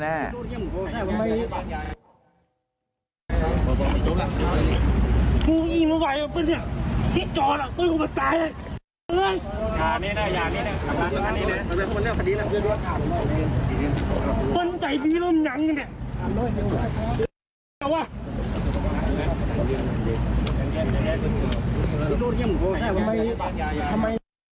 น้องชมพึ่งมีแค่ไหนล่ะ